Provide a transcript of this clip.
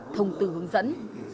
thông từ hướng dẫn